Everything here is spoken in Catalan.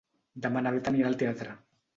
Demà na Bet anirà al teatre.